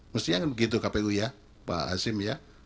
mestinya begitu kpu ya pak hasim ya